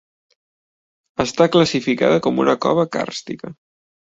Està classificada com una cova càrstica.